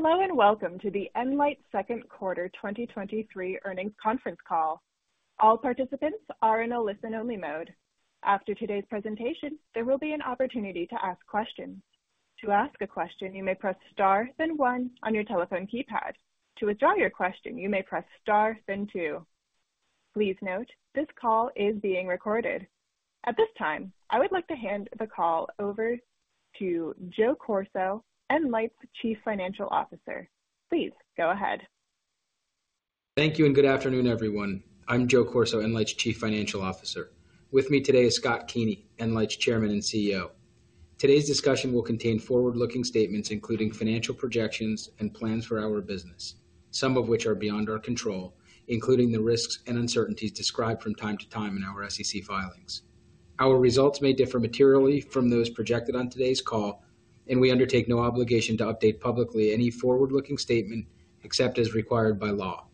Hello, and welcome to the nLIGHT Second Quarter 2023 Earnings Conference Call. All participants are in a listen-only mode. After today's presentation, there will be an opportunity to ask questions. To ask a question, you may press star then one on your telephone keypad. To withdraw your question, you may press star then two. Please note, this call is being recorded. At this time, I would like to hand the call over to Joe Corso, nLIGHT's Chief Financial Officer. Please go ahead. Thank you. Good afternoon, everyone. I'm Joe Corso, nLIGHT's Chief Financial Officer. With me today is Scott Keeney, nLIGHT's Chairman and CEO. Today's discussion will contain forward-looking statements, including financial projections and plans for our business, some of which are beyond our control, including the risks and uncertainties described from time to time in our SEC filings. Our results may differ materially from those projected on today's call. We undertake no obligation to update publicly any forward-looking statement, except as required by law.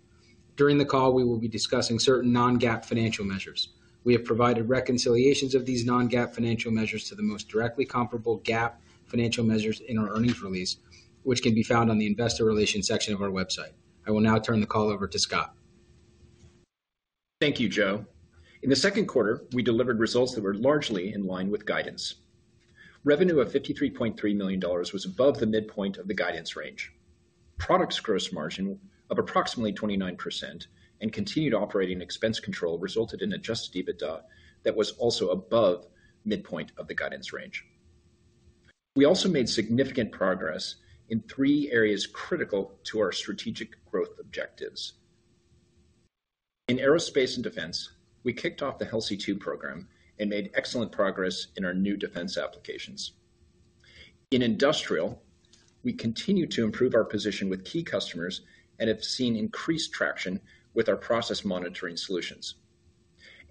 During the call, we will be discussing certain non-GAAP financial measures. We have provided reconciliations of these non-GAAP financial measures to the most directly comparable GAAP financial measures in our earnings release, which can be found on the investor relations section of our website. I will now turn the call over to Scott. Thank you, Joe. In the second quarter, we delivered results that were largely in line with guidance. Revenue of $53.3 million was above the midpoint of the guidance range. Products gross margin of approximately 29% and continued operating expense control resulted in adjusted EBITDA that was also above midpoint of the guidance range. We also made significant progress in three areas critical to our strategic growth objectives. In aerospace and defense, we kicked off the HELSI-2 program and made excellent progress in our new defense applications. In industrial, we continue to improve our position with key customers and have seen increased traction with our process monitoring solutions.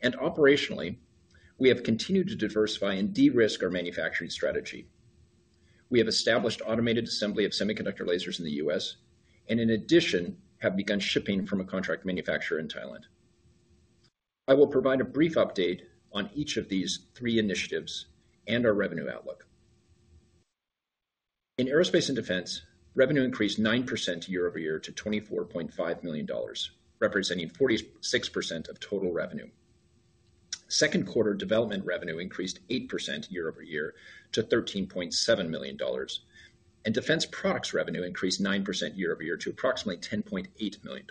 Operationally, we have continued to diversify and de-risk our manufacturing strategy. We have established automated assembly of semiconductor lasers in the U.S. and in addition, have begun shipping from a contract manufacturer in Thailand. I will provide a brief update on each of these three initiatives and our revenue outlook. In aerospace and defense, revenue increased 9% year-over-year to $24.5 million, representing 46% of total revenue. Second quarter development revenue increased 8% year-over-year to $13.7 million. Defense products revenue increased 9% year-over-year to approximately $10.8 million.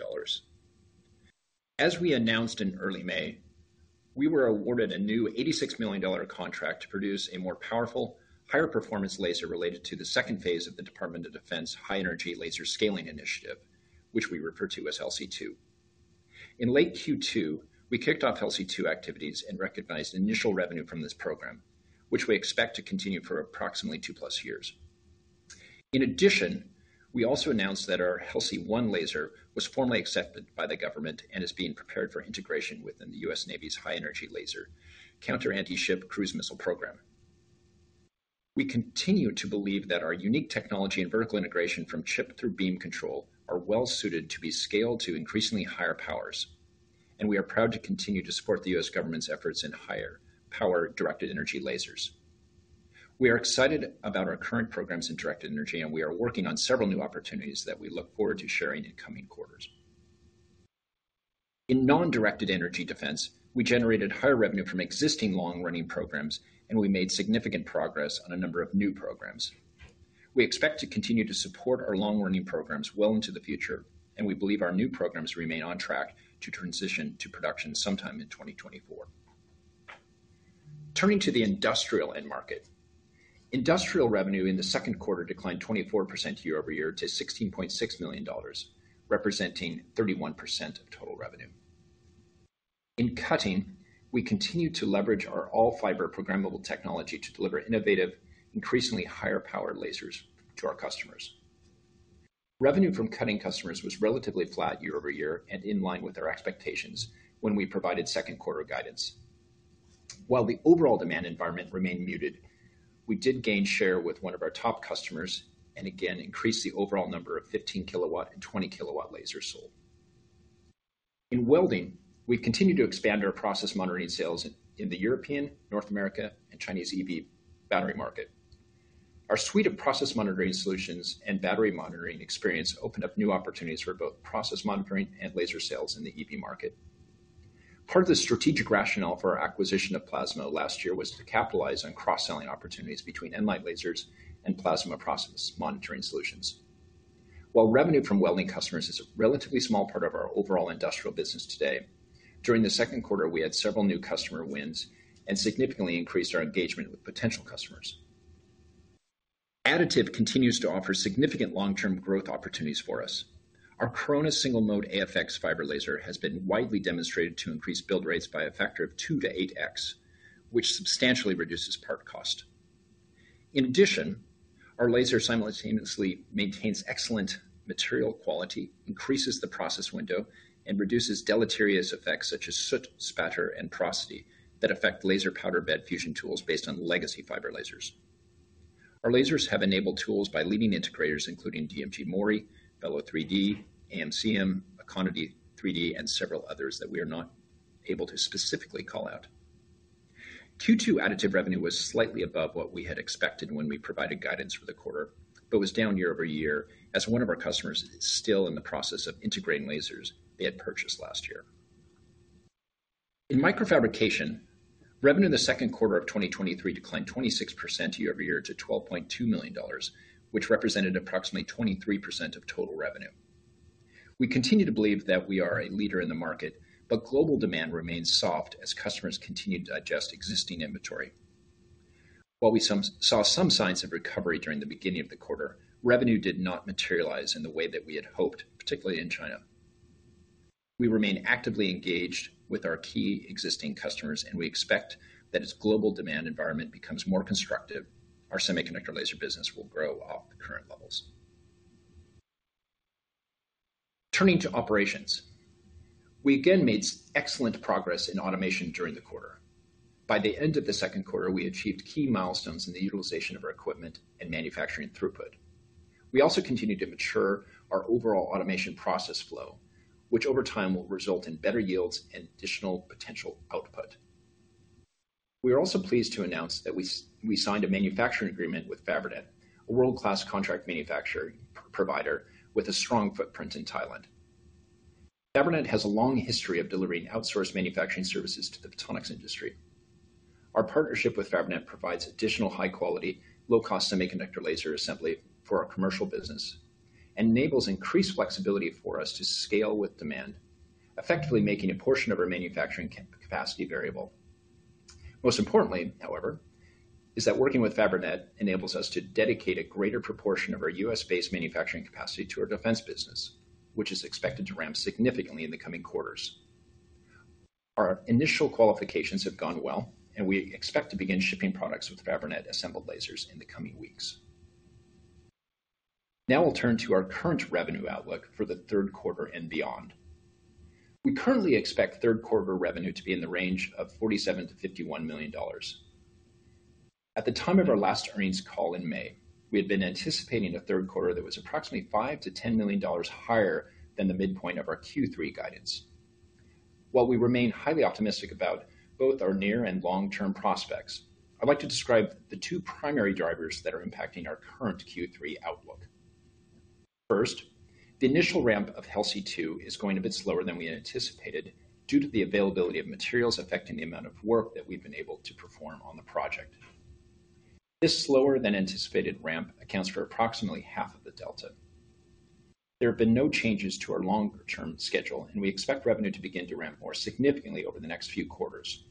As we announced in early May, we were awarded a new $86 million contract to produce a more powerful, higher performance laser related to the second phase of the Department of Defense High Energy Laser Scaling Initiative, which we refer to as HELSI-2. In late Q2, we kicked off HELSI-2 activities and recognized initial revenue from this program, which we expect to continue for approximately two plus years. In addition, we also announced that our HELSI-1 laser was formally accepted by the government and is being prepared for integration within the U.S. Navy's High Energy Laser Counter Anti-Ship Cruise Missile program. We continue to believe that our unique technology and vertical integration from chip through beam control are well suited to be scaled to increasingly higher powers, and we are proud to continue to support the U.S. government's efforts in higher power directed energy lasers. We are excited about our current programs in directed energy, and we are working on several new opportunities that we look forward to sharing in coming quarters. In non-directed energy defense, we generated higher revenue from existing long-running programs, and we made significant progress on a number of new programs. We expect to continue to support our long-running programs well into the future. We believe our new programs remain on track to transition to production sometime in 2024. Turning to the industrial end market. Industrial revenue in the second quarter declined 24% year-over-year to $16.6 million, representing 31% of total revenue. In cutting, we continue to leverage our all-fiber programmable technology to deliver innovative, increasingly higher power lasers to our customers. Revenue from cutting customers was relatively flat year-over-year and in line with their expectations when we provided second quarter guidance. While the overall demand environment remained muted, we did gain share with one of our top customers and again increased the overall number of 15 kW and 20 kW lasers sold. In welding, we continue to expand our process monitoring sales in the European, North America, and Chinese EV battery market. Our suite of process monitoring solutions and battery monitoring experience opened up new opportunities for both process monitoring and laser sales in the EV market. Part of the strategic rationale for our acquisition of Plasmo last year was to capitalize on cross-selling opportunities between nLIGHT lasers and Plasmo process monitoring solutions. While revenue from welding customers is a relatively small part of our overall industrial business today, during the second quarter, we had several new customer wins and significantly increased our engagement with potential customers. Additive continues to offer significant long-term growth opportunities for us. Our Corona single mode AFX fiber laser has been widely demonstrated to increase build rates by a factor of two to 8x, which substantially reduces part cost. In addition, our laser simultaneously maintains excellent material quality, increases the process window, and reduces deleterious effects such as soot, spatter, and porosity that affect laser powder bed fusion tools based on legacy fiber lasers. Our lasers have enabled tools by leading integrators, including DMG MORI, Velo3D, AMCM, Aconity3D, and several others that we are not able to specifically call out. Q2 additive revenue was slightly above what we had expected when we provided guidance for the quarter but was down year-over-year as one of our customers is still in the process of integrating lasers they had purchased last year. In microfabrication, revenue in the second quarter of 2023 declined 26% year-over-year to $12.2 million, which represented approximately 23% of total revenue. We continue to believe that we are a leader in the market. Global demand remains soft as customers continue to digest existing inventory. While we saw some signs of recovery during the beginning of the quarter, revenue did not materialize in the way that we had hoped, particularly in China. We remain actively engaged with our key existing customers. We expect that as global demand environment becomes more constructive, our semiconductor laser business will grow off the current levels. Turning to operations. We again made excellent progress in automation during the quarter. By the end of the second quarter, we achieved key milestones in the utilization of our equipment and manufacturing throughput. We also continued to mature our overall automation process flow, which over time will result in better yields and additional potential output. We are also pleased to announce that we signed a manufacturing agreement with Fabrinet, a world-class contract manufacturing provider with a strong footprint in Thailand. Fabrinet has a long history of delivering outsourced manufacturing services to the photonics industry. Our partnership with Fabrinet provides additional high-quality, low-cost semiconductor laser assembly for our commercial business and enables increased flexibility for us to scale with demand, effectively making a portion of our manufacturing capacity variable. Most importantly, however, is that working with Fabrinet enables us to dedicate a greater proportion of our U.S.-based manufacturing capacity to our defense business, which is expected to ramp significantly in the coming quarters. Our initial qualifications have gone well, and we expect to begin shipping products with Fabrinet assembled lasers in the coming weeks. Now we'll turn to our current revenue outlook for the third quarter and beyond. We currently expect third quarter revenue to be in the range of $47 million-$51 million. At the time of our last earnings call in May, we had been anticipating a third quarter that was approximately $5 million-$10 million higher than the midpoint of our Q3 guidance. While we remain highly optimistic about both our near and long-term prospects, I'd like to describe the two primary drivers that are impacting our current Q3 outlook. First, the initial ramp of HELSI-2 is going a bit slower than we had anticipated due to the availability of materials affecting the amount of work that we've been able to perform on the project. This slower than anticipated ramp accounts for approximately half of the delta. There have been no changes to our longer term schedule, and we expect revenue to begin to ramp more significantly over the next few quarters.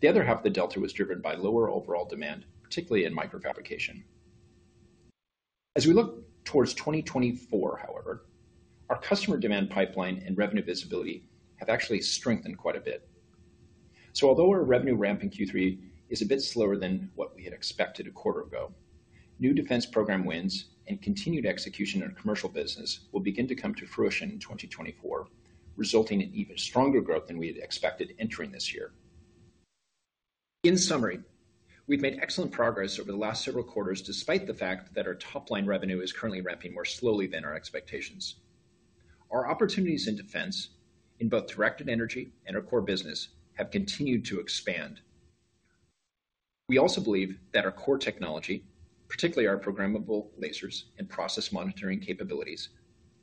The other half of the delta was driven by lower overall demand, particularly in microfabrication. As we look towards 2024, however, our customer demand pipeline and revenue visibility have actually strengthened quite a bit. Although our revenue ramp in Q3 is a bit slower than what we had expected a quarter ago, new defense program wins and continued execution in our commercial business will begin to come to fruition in 2024, resulting in even stronger growth than we had expected entering this year. In summary, we've made excellent progress over the last several quarters, despite the fact that our top-line revenue is currently ramping more slowly than our expectations. Our opportunities in defense, in both directed energy and our core business, have continued to expand. We also believe that our core technology, particularly our programmable lasers and process monitoring capabilities,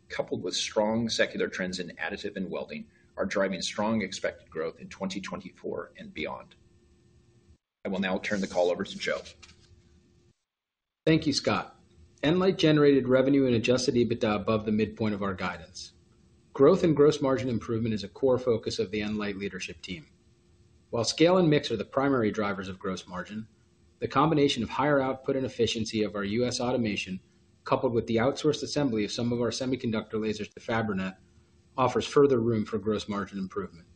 coupled with strong secular trends in additive and welding, are driving strong expected growth in 2024 and beyond. I will now turn the call over to Joe. Thank you, Scott. nLIGHT generated revenue and adjusted EBITDA above the midpoint of our guidance. Growth and gross margin improvement is a core focus of the nLIGHT leadership team. While scale and mix are the primary drivers of gross margin, the combination of higher output and efficiency of our U.S. automation, coupled with the outsourced assembly of some of our semiconductor lasers to Fabrinet, offers further room for gross margin improvement.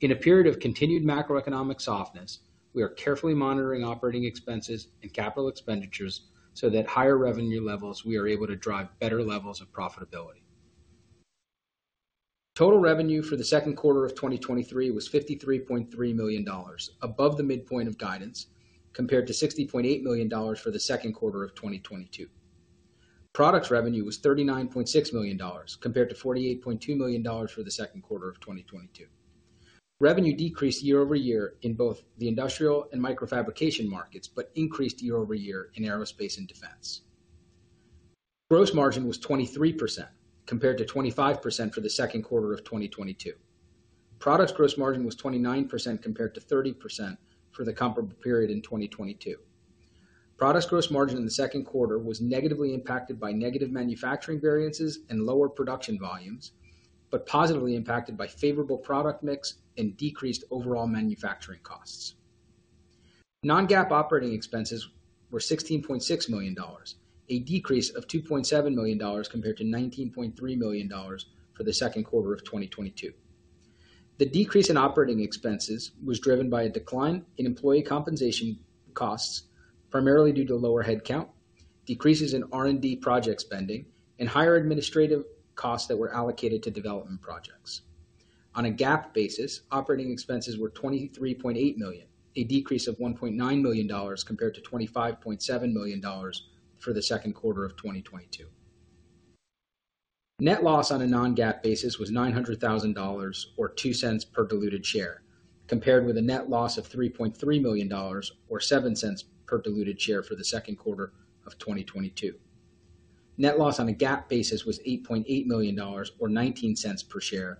In a period of continued macroeconomic softness, we are carefully monitoring operating expenses and capital expenditures so that higher revenue levels, we are able to drive better levels of profitability. Total revenue for the second quarter of 2023 was $53.3 million, above the midpoint of guidance, compared to $60.8 million for the second quarter of 2022. Products revenue was $39.6 million, compared to $48.2 million for the second quarter of 2022. Revenue decreased year-over-year in both the industrial and microfabrication markets, but increased year-over-year in aerospace and defense. Gross margin was 23%, compared to 25% for the second quarter of 2022. Products gross margin was 29%, compared to 30% for the comparable period in 2022. Products gross margin in the second quarter was negatively impacted by negative manufacturing variances and lower production volumes but positively impacted by favorable product mix and decreased overall manufacturing costs. Non-GAAP OpEx were $16.6 million, a decrease of $2.7 million compared to $19.3 million for the second quarter of 2022. The decrease in operating expenses was driven by a decline in employee compensation costs, primarily due to lower headcount, decreases in R&D project spending, and higher administrative costs that were allocated to development projects. On a GAAP basis, operating expenses were $23.8 million, a decrease of $1.9 million compared to $25.7 million for the second quarter of 2022. Net loss on a non-GAAP basis was $900,000 or $0.02 per diluted share, compared with a net loss of $3.3 million or $0.07 per diluted share for the second quarter of 2022. Net loss on a GAAP basis was $8.8 million or $0.19 per share,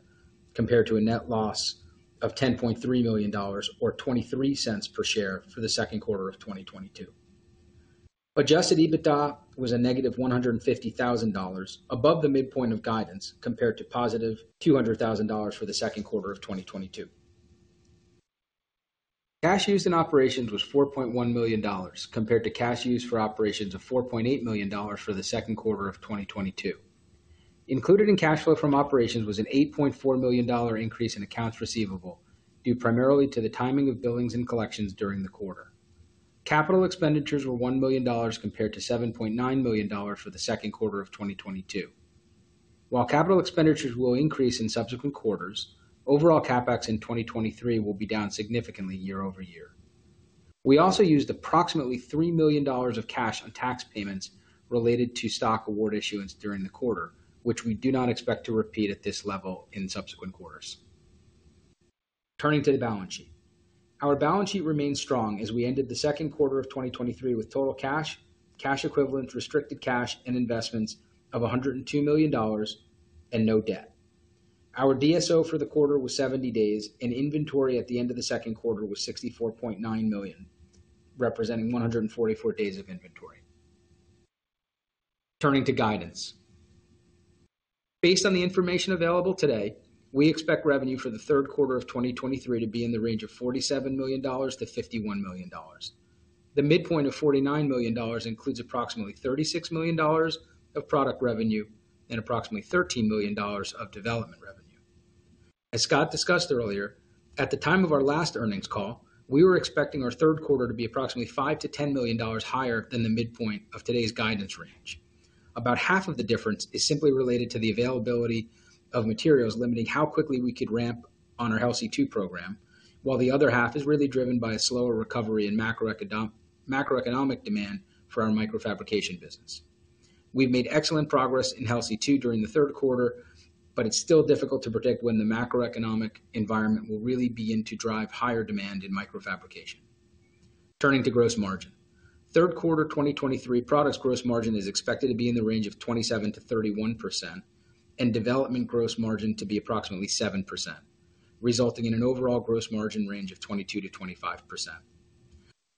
compared to a net loss of $10.3 million or $0.23 per share for the second quarter of 2022. Adjusted EBITDA was -$150,000 above the midpoint of guidance, compared to +$200,000 for the second quarter of 2022. Cash used in operations was $4.1 million, compared to cash used for operations of $4.8 million for the second quarter of 2022. Included in cash flow from operations was an $8.4 million increase in accounts receivable, due primarily to the timing of billings and collections during the quarter. Capital expenditures were $1 million, compared to $7.9 million for the second quarter of 2022. While capital expenditures will increase in subsequent quarters, overall CapEx in 2023 will be down significantly year-over-year. We also used approximately $3 million of cash on tax payments related to stock award issuance during the quarter, which we do not expect to repeat at this level in subsequent quarters. Turning to the balance sheet. Our balance sheet remains strong as we ended the second quarter of 2023 with total cash, cash equivalents, restricted cash and investments of $102 million and no debt. Our DSO for the quarter was 70 days, and inventory at the end of the second quarter was $64.9 million, representing 144 days of inventory. Turning to guidance. Based on the information available today, we expect revenue for the third quarter of 2023 to be in the range of $47 million-$51 million. The midpoint of $49 million includes approximately $36 million of product revenue and approximately $13 million of development revenue. As Scott discussed earlier, at the time of our last earnings call, we were expecting our third quarter to be approximately $5 million-$10 million higher than the midpoint of today's guidance range. About half of the difference is simply related to the availability of materials, limiting how quickly we could ramp on our HELSI-2 program, while the other half is really driven by a slower recovery in macroeconomic demand for our microfabrication business. It's still difficult to predict when the macroeconomic environment will really begin to drive higher demand in microfabrication. Turning to gross margin. Third quarter 2023 products gross margin is expected to be in the range of 27%-31% and development gross margin to be approximately 7%, resulting in an overall gross margin range of 22%-25%.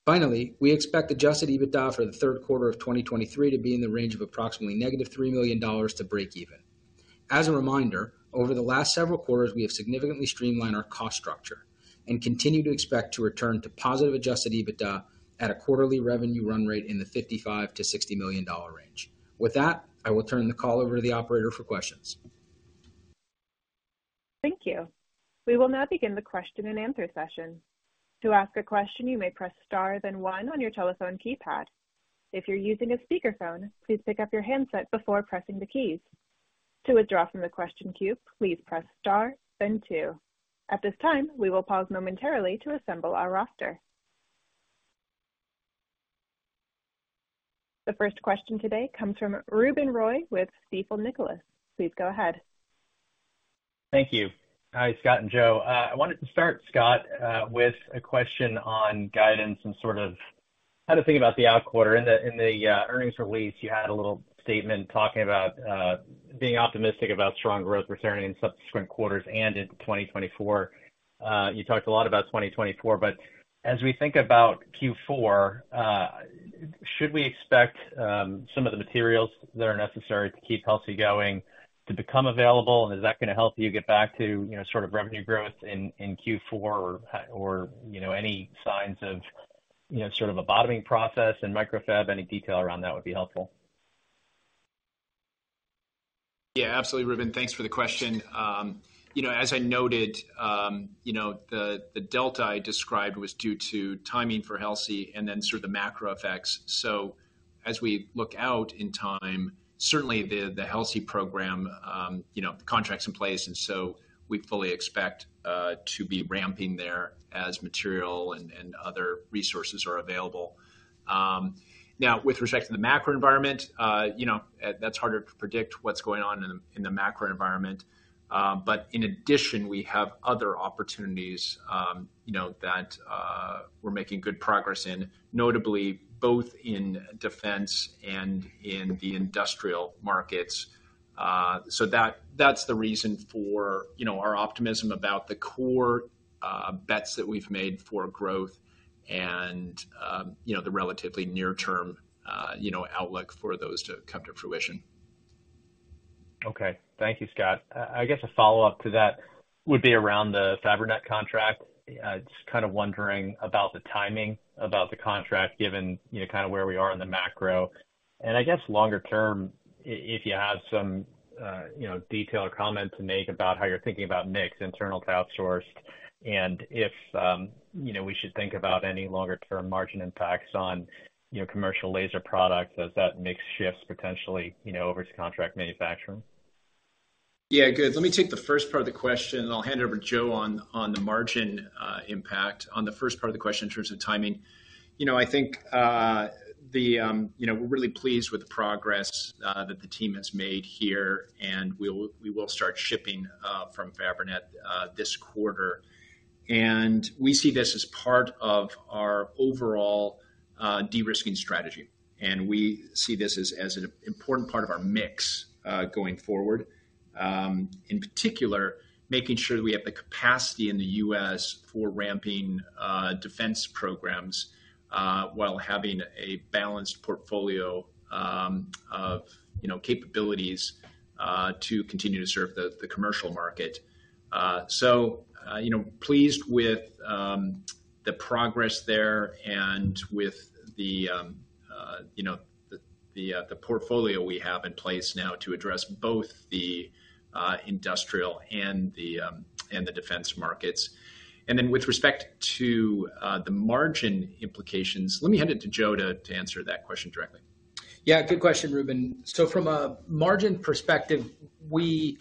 Finally, we expect adjusted EBITDA for the third quarter of 2023 to be in the range of approximately -$3 million to breakeven. As a reminder, over the last several quarters, we have significantly streamlined our cost structure and continue to expect to return to positive adjusted EBITDA at a quarterly revenue run rate in the $55 million-$60 million range. With that, I will turn the call over to the operator for questions. Thank you. We will now begin the question-and-answer session. To ask a question, you may press star, then one on your telephone keypad. If you're using a speakerphone, please pick up your handset before pressing the keys. To withdraw from the question queue, please press star, then two. At this time, we will pause momentarily to assemble our roster. The first question today comes from Ruben Roy Stifel Nicolaus. Please go ahead. Thank you. Hi, Scott and Joe. I wanted to start, Scott, with a question on guidance and sort of how to think about the out quarter. In the, in the earnings release, you had a little statement talking about being optimistic about strong growth returning in subsequent quarters and in 2024. You talked a lot about 2024, but as we think about Q4, should we expect some of the materials that are necessary to keep HELSI going to become available? Is that going to help you get back to, you know, sort of revenue growth in, in Q4 or, or, you know, any signs of, you know, sort of a bottoming process in microfab? Any detail around that would be helpful. Yeah, absolutely, Ruben. Thanks for the question. You know, as I noted, you know, the, the delta I described was due to timing for HELSI and then sort of the macro effects. As we look out in time, certainly the, the HELSI program, you know, the contracts in place, and so we fully expect to be ramping there as material and, and other resources are available. Now, with respect to the macro environment, you know, that's harder to predict what's going on in the, in the macro environment. In addition, we have other opportunities, you know, that we're making good progress in, notably both in defense and in the industrial markets. That's the reason for, you know, our optimism about the core bets that we've made for growth and, you know, the relatively near term, you know, outlook for those to come to fruition. Okay. Thank you, Scott. I guess a follow-up to that would be around the Fabrinet contract. Just kind of wondering about the timing about the contract, given, you know, kind of where we are in the macro. I guess longer term, if you have some, you know, detailed comment to make about how you're thinking about mix, internal to outsourced, and if, you know, we should think about any longer-term margin impacts on, you know, commercial laser products as that mix shifts potentially, you know, over to contract manufacturing. Yeah, good. Let me take the first part of the question, and I'll hand it over to Joe on the margin impact. On the first part of the question in terms of timing. You know, I think, the, you know, we're really pleased with the progress that the team has made here, and we'll, we will start shipping from Fabrinet this quarter. We see this as part of our overall de-risking strategy, and we see this as an important part of our mix going forward. In particular, making sure that we have the capacity in the US for ramping defense programs while having a balanced portfolio of, you know, capabilities to continue to serve the commercial market. You know, pleased with the progress there and with the, you know, the, the portfolio we have in place now to address both the industrial and the and the defense markets. With respect to the margin implications, let me hand it to Joe to answer that question directly. Yeah, good question, Ruben. From a margin perspective, we,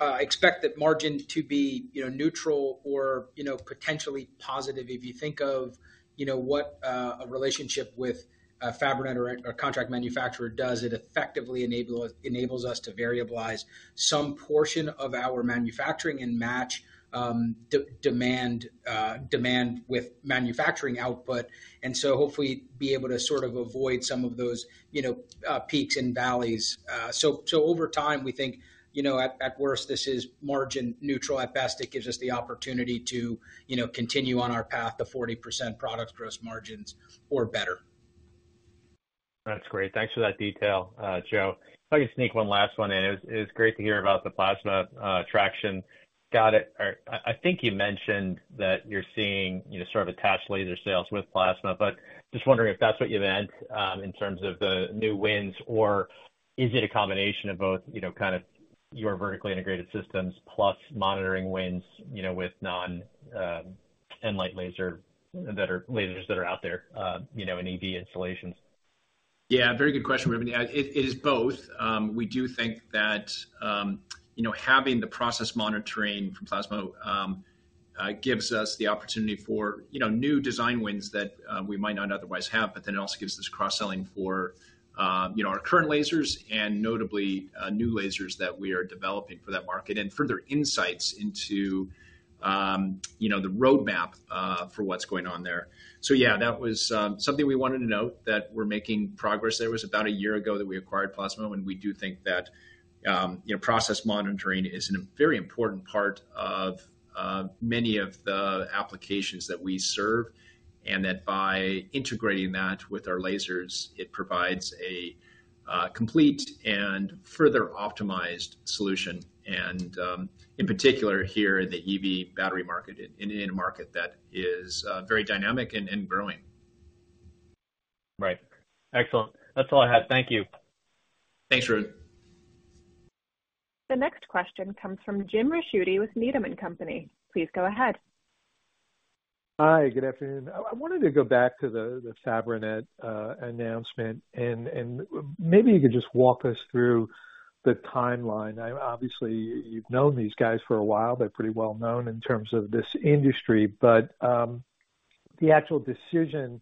expect that margin to be, you know, neutral or, you know, potentially positive. If you think of, you know, what, a relationship with a Fabrinet or a contract manufacturer does, it effectively enables us to variablize some portion of our manufacturing and match, demand, demand with manufacturing output, and so hopefully be able to sort of avoid some of those, you know, peaks and valleys. So over time, we think, you know, at, at worst, this is margin neutral. At best, it gives us the opportunity to, you know, continue on our path to 40% product gross margins or better. That's great. Thanks for that detail, Joe. If I could sneak one last one in. It's great to hear about the Plasma traction. Got it. I think you mentioned that you're seeing, you know, sort of attached laser sales with Plasmo, but just wondering if that's what you meant, in terms of the new wins, or is it a combination of both, you know, kind of your vertically integrated systems plus monitoring wins, you know, with non, nLIGHT laser that are lasers that are out there, you know, in EV installations? Yeah, very good question, Ruben. It is both. We do think that, you know, having the process monitoring from Plasmo, gives us the opportunity for, you know, new design wins that, we might not otherwise have, but then it also gives us cross-selling for, you know, our current lasers and notably, new lasers that we are developing for that market, and further insights into, you know, the roadmap, for what's going on there. Yeah, that was, something we wanted to note that we're making progress. It was about a year ago that we acquired Plasmo, and we do think that, you know, process monitoring is a very important part of many of the applications that we serve, and that by integrating that with our lasers, it provides a complete and further optimized solution, and in particular here in the EV battery market, in, in a market that is very dynamic and, and growing. Right. Excellent. That's all I had. Thank you. Thanks, Ruben. The next question comes from Jim Ricchiuti with Needham & Company. Please go ahead. Hi, good afternoon. I, I wanted to go back to the Fabrinet announcement, and maybe you could just walk us through the timeline. Obviously, you've known these guys for a while. They're pretty well known in terms of this industry, but the actual decision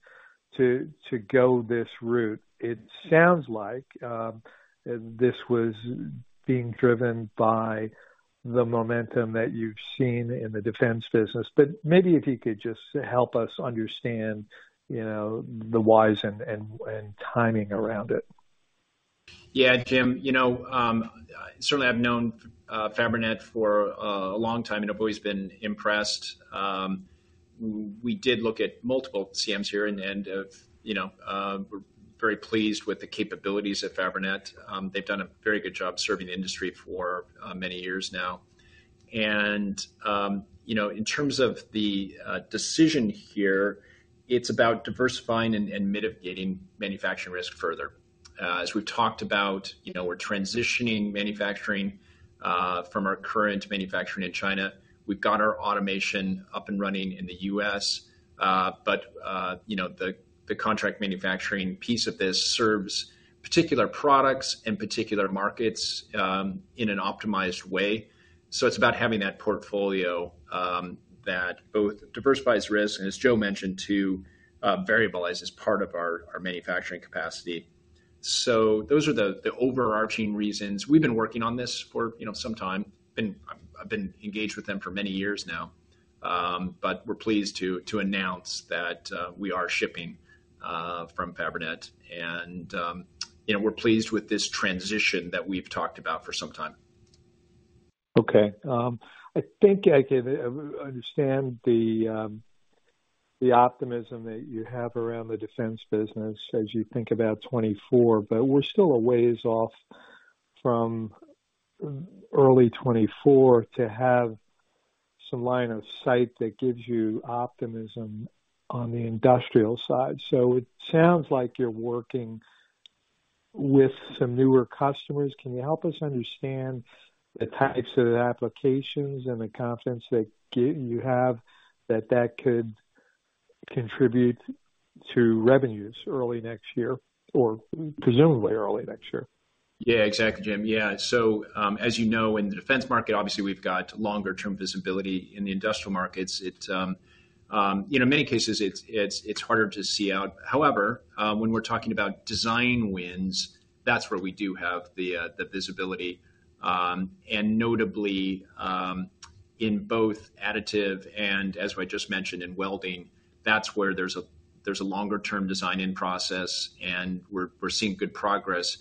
to go this route, it sounds like this was being driven by the momentum that you've seen in the defense business. Maybe if you could just help us understand, you know, the whys and timing around it. Yeah, Jim, you know, certainly I've known Fabrinet for a long time, and I've always been impressed. We did look at multiple CMS here and, you know, we're very pleased with the capabilities at Fabrinet. They've done a very good job serving the industry for many years now. You know, in terms of the decision here, it's about diversifying and mitigating manufacturing risk further. As we've talked about, you know, we're transitioning manufacturing from our current manufacturing in China. We've got our automation up and running in the U.S., but, you know, the contract manufacturing piece of this serves particular products and particular markets in an optimized way. It's about having that portfolio that both diversifies risk, and as Joe mentioned, too, variabilize as part of our manufacturing capacity. Those are the overarching reasons. We've been working on this for, you know, some time. I've been engaged with them for many years now. We're pleased to announce that we are shipping from Fabrinet, and, you know, we're pleased with this transition that we've talked about for some time. Okay, I think I can understand the optimism that you have around the defense business as you think about 2024. We're still aways off from early 2024 to have some line of sight that gives you optimism on the industrial side. It sounds like you're working with some newer customers. Can you help us understand the types of applications and the confidence that you have that that could contribute to revenues early next year, or presumably early next year? Yeah, exactly, Jim. Yeah. As you know, in the defense market, obviously we've got longer-term visibility. In the industrial markets, it's, you know, in many cases, it's, it's, it's harder to see out. However, when we're talking about design wins, that's where we do have the visibility. Notably, in both additive and as I just mentioned, in welding, that's where there's a, there's a longer-term design-in process, and we're, we're seeing good progress.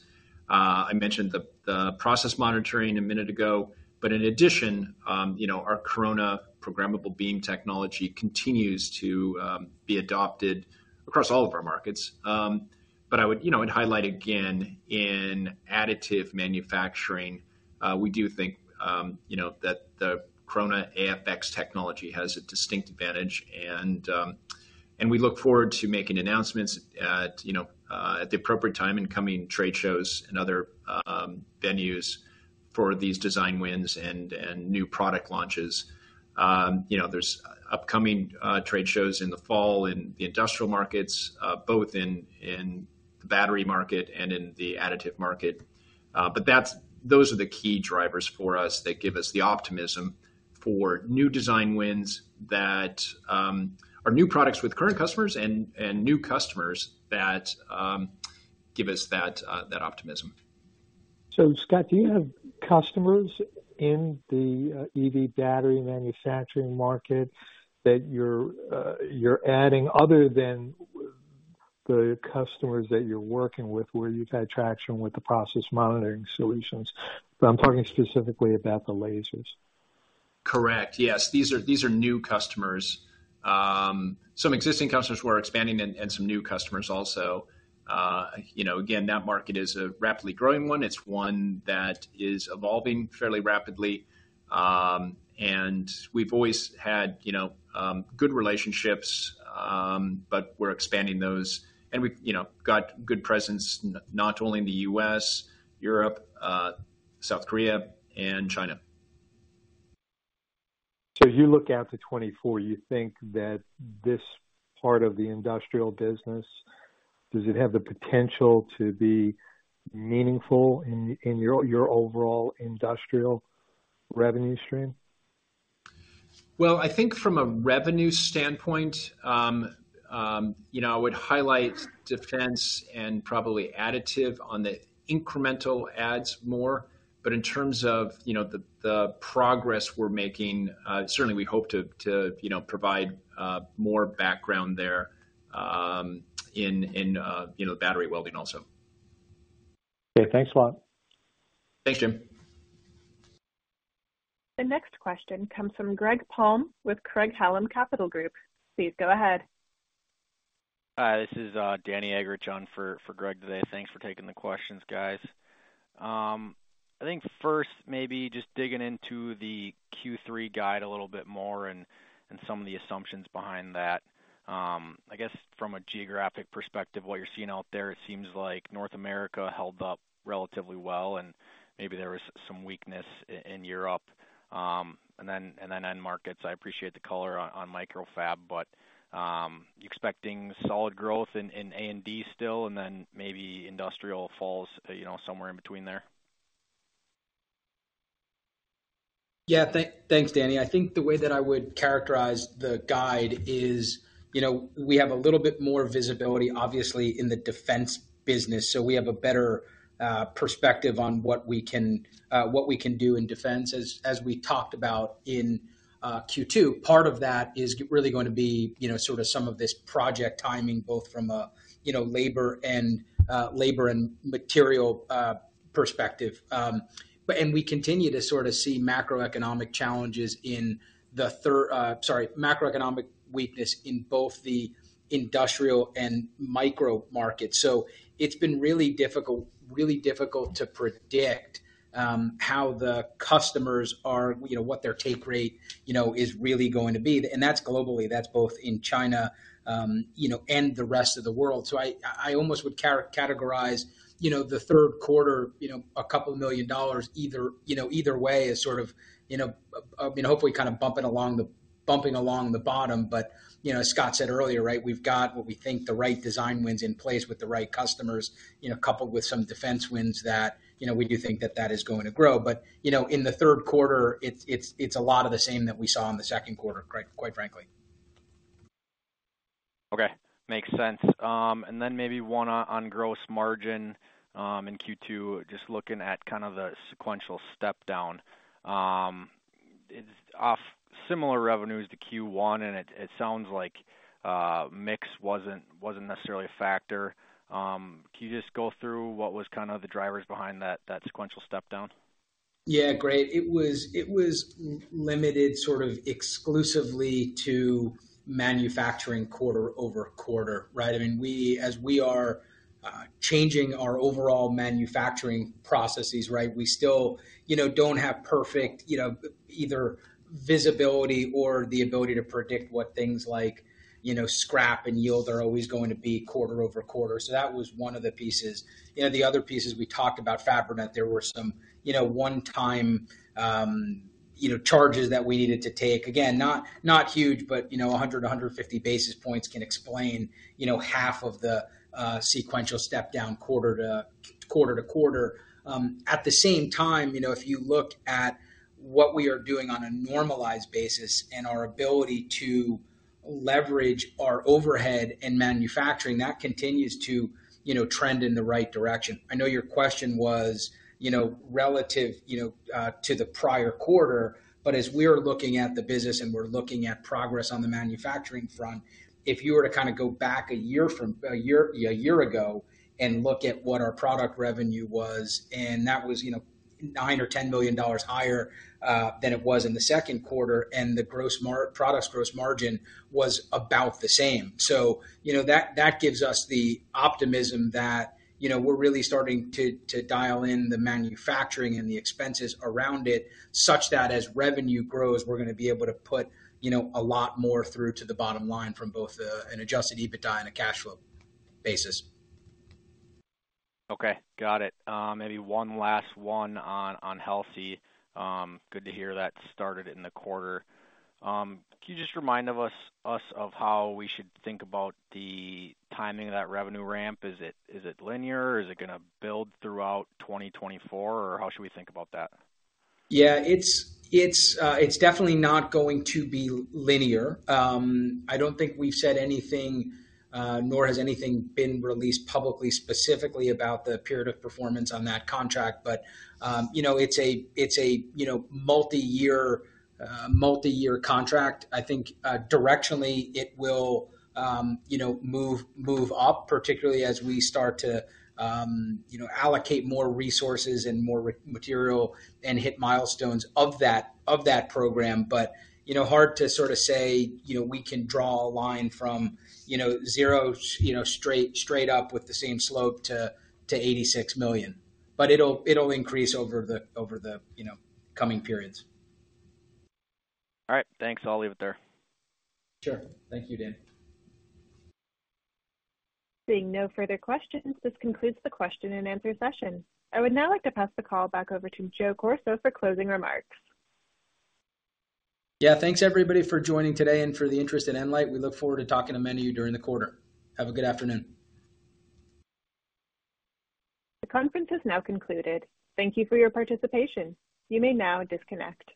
I mentioned the, the process monitoring a minute ago, but in addition, you know, our Corona programmable beam technology continues to be adopted across all of our markets. I would, you know, and highlight again in additive manufacturing, we do think, you know, that the Corona AFX technology has a distinct advantage, and we look forward to making announcements at, you know, at the appropriate time in coming trade shows and other venues for these design wins and new product launches. You know, there's upcoming trade shows in the fall in the industrial markets, both in the battery market and in the additive market. That's those are the key drivers for us that give us the optimism for new design wins that are new products with current customers and new customers that give us that optimism. Scott, do you have customers in the EV battery manufacturing market that you're adding other than the customers that you're working with, where you've had traction with the process monitoring solutions? I'm talking specifically about the lasers. Correct. Yes. These are, these are new customers. Some existing customers who are expanding and some new customers also. You know, again, that market is a rapidly growing one. It's one that is evolving fairly rapidly. We've always had, you know, good relationships, but we're expanding those. We've, you know, got good presence, not only in the U.S., Europe, South Korea, and China. As you look out to 2024, you think that this part of the industrial business, does it have the potential to be meaningful in, in your, your overall industrial revenue stream? Well, I think from a revenue standpoint, you know, I would highlight defense and probably additive on the incremental adds more. In terms of, you know, the progress we're making, certainly we hope to, to, you know, provide more background there, you know, battery welding also. Okay, thanks a lot. Thanks, Jim. The next question comes from Greg Palm with Craig-Hallum Capital Group. Please go ahead. Hi, this is Danny Eggerichs on for, for Greg today. Thanks for taking the questions, guys. I think first, maybe just digging into the Q3 guide a little bit more and, and some of the assumptions behind that. I guess from a geographic perspective, what you're seeing out there, it seems like North America held up relatively well, and maybe there was some weakness in Europe, and then end markets. I appreciate the color on microfab, but you expecting solid growth in, in A&D still, and then maybe industrial falls, you know, somewhere in between there? Yeah. Thanks, Danny. I think the way that I would characterize the guide is, you know, we have a little bit more visibility, obviously, in the defense business, so we have a better perspective on what we can, what we can do in defense. As, as we talked about in Q2, part of that is really going to be, you know, sort of some of this project timing, both from a, you know, labor and labor and material perspective. And we continue to sort of see macroeconomic challenges in the sorry, macroeconomic weakness in both the industrial and micro markets. It's been really difficult, really difficult to predict how the customers are. You know, what their take rate, you know, is really going to be. That's globally, that's both in China, you know, and the rest of the world. I, I almost would categorize, you know, the third quarter, you know, $2 million, either, you know, either way, as sort of, you know, hopefully kind of bumping along the bumping along the bottom. You know, as Scott said earlier, right, we've got what we think the right design wins in place with the right customers, you know, coupled with some defense wins that, you know, we do think that that is going to grow. You know, in the third quarter, it's, it's, it's a lot of the same that we saw in the second quarter, quite frankly. Okay, makes sense. Then maybe one on, on gross margin, in Q2, just looking at kind of the sequential step down. It's off similar revenues to Q1, and it, it sounds like, mix wasn't, wasn't necessarily a factor. Can you just go through what was kind of the drivers behind that, that sequential step down? Yeah, great. It was, it was limited sort of exclusively to manufacturing quarter-over-quarter, right? I mean, we, as we are, changing our overall manufacturing processes, right? We still, you know, don't have perfect, you know, either visibility or the ability to predict what things like, you know, scrap and yield are always going to be quarter-over-quarter. That was one of the pieces. You know, the other pieces we talked about, Fabrinet, there were some, you know, one-time, you know, charges that we needed to take. Again, not, not huge, but, you know, 100, 150 basis points can explain, you know, half of the, sequential step down quarter to, quarter to quarter. At the same time, you know, if you look at what we are doing on a normalized basis and our ability to leverage our overhead and manufacturing, that continues to, you know, trend in the right direction. I know your question was, you know, relative, you know, to the prior quarter, but as we're looking at the business and we're looking at progress on the manufacturing front, if you were to kinda go back a year ago and look at what our product revenue was, and that was, you know, $9 million-$10 million higher than it was in the second quarter, and the products gross margin was about the same. You know, that, that gives us the optimism that, you know, we're really starting to, to dial in the manufacturing and the expenses around it, such that as revenue grows, we're gonna be able to put, you know, a lot more through to the bottom line from both a, an adjusted EBITDA and a cash flow basis. Okay, got it. Maybe one last one on, on HELSI. Good to hear that started in the quarter. Can you just remind us of how we should think about the timing of that revenue ramp? Is it, is it linear? Is it gonna build throughout 2024, or how should we think about that? Yeah, it's, it's, it's definitely not going to be linear. I don't think we've said anything, nor has anything been released publicly, specifically about the period of performance on that contract, but, you know, it's a, it's a, you know, multi-year, multi-year contract. I think, directionally it will, you know, move, move up, particularly as we start to, you know, allocate more resources and more material and hit milestones of that, of that program. You know, hard to sort of say, you know, we can draw a line from, you know, zero, you know, straight, straight up with the same slope to, to $86 million. It'll, it'll increase over the, over the, you know, coming periods. All right, thanks. I'll leave it there. Sure. Thank you, Dan. Seeing no further questions, this concludes the question-and-answer session. I would now like to pass the call back over to Joe Corso for closing remarks. Yeah, thanks, everybody, for joining today and for the interest in nLIGHT. We look forward to talking to many of you during the quarter. Have a good afternoon. The conference is now concluded. Thank you for your participation. You may now disconnect.